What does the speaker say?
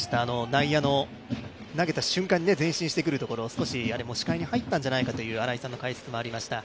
外野の投げた瞬間に前進してくるところ少し視界も入ったんじゃないかという新井さんの解説もありました。